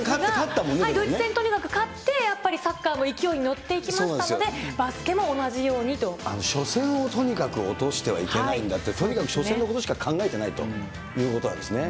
ドイツ戦、とにかく勝って、やっぱりサッカーも勢いに乗っていきましたので、バスケも同じよ初戦をとにかく落としてはいけないんだって、とにかく初戦のことしか考えていないということなんですね。